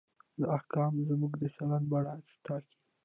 دا حکم زموږ د چلند بڼه ټاکي.